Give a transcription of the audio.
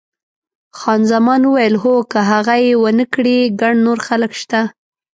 خان زمان وویل، هو، خو که هغه یې ونه کړي ګڼ نور خلک شته.